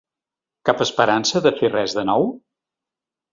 Cap esperança de fer res de nou?